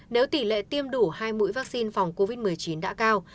nếu tỷ lệ tiêm đủ hai mũi vaccine phòng covid một mươi chín đã cao